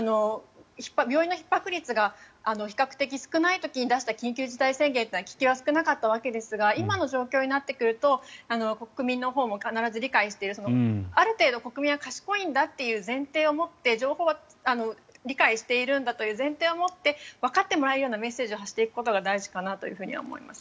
病院のひっ迫率が比較的少ない時に出した緊急事態宣言は聞きやすくなかったわけですが今の状況になってくると国民のほうも必ず理解してある程度、国民は賢いんだという前提を持って情報を理解しているんだという前提を持ってわかってもらえるようなメッセージを発していくことが大事かなとは思います。